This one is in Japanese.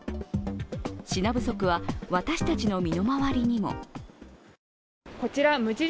品不足は私たちの身の回りにもこちら無印